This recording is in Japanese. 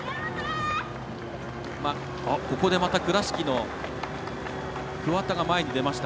ここでまた倉敷の桑田も前に出ました。